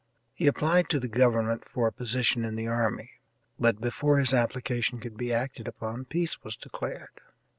He applied to the government for a position in the army, but before his application could be acted upon peace was declared.